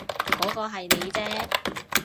嗰個係你啫